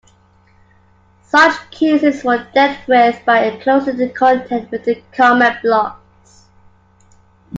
Such cases were dealt with by enclosing the content within comment blocks.